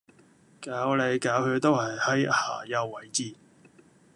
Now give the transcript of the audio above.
搞嚟搞去都係下游位置